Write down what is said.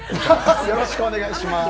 よろしくお願いします。